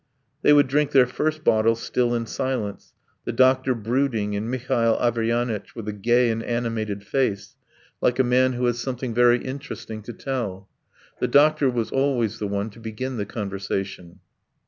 They would drink their first bottle still in silence, the doctor brooding and Mihail Averyanitch with a gay and animated face, like a man who has something very interesting to tell. The doctor was always the one to begin the conversation.